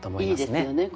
いいですよね